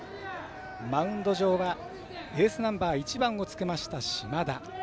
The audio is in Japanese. マウンド上はエースナンバー１番をつけました島田。